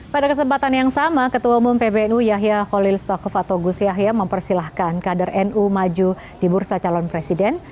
pada kesempatan yang sama ketua umum pbnu yahya khalil stakuf atau gus yahya mempersilahkan kader nu maju di bursa calon presiden